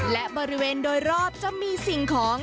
และบริเวณโดยรอบจะมีสิ่งของ